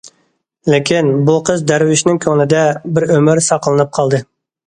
لېكىن، بۇ قىز دەرۋىشنىڭ كۆڭلىدە بىر ئۆمۈر ساقلىنىپ قالدى.